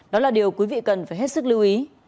đó là điều quý vị cần phải hết sức lưu ý